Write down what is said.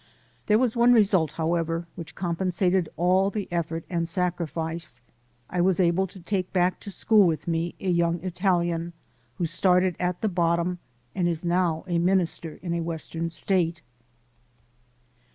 There was one result, however, which compensated all the effort and sacrifice. I was able to take back to school with me a young Italian, who started at the bottom and is now a minister in a Western state.